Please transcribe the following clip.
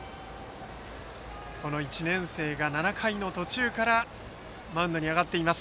１年生が７回の途中からマウンドに上がっています。